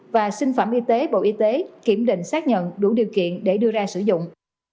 và sinh phẩm y tế bộ y tế kiểm định xác nhận đủ điều kiện để đưa ra sử dụng